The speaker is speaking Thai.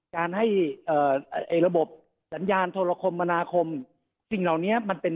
การให้ระบบสัญญาณโทรคมม